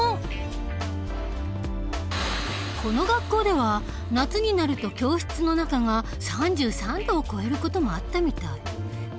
この学校では夏になると教室の中が３３度を超える事もあったみたい。